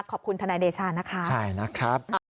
ขอบคุณทนายเดชานะคะใช่นะครับ